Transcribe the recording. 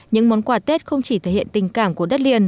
những món quà tết không chỉ thể hiện tình cảm của đất liền